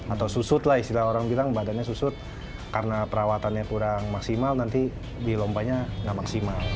atau susut lah istilah orang bilang badannya susut karena perawatannya kurang maksimal nanti di lompanya nggak maksimal